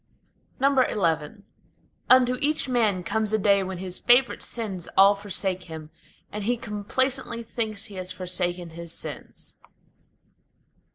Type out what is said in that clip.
XI Unto each man comes a day when his favorite sins all forsake him, And he complacently thinks he has forsaken his sins.